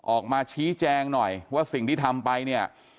ออกมาชี้แจงหน่อยว่าสิ่งที่ทำไปเนี่ย